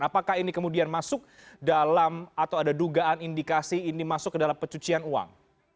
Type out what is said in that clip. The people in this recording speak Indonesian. apakah ini kemudian masuk dalam atau ada dugaan indikasi ini masuk ke dalam pencucian uang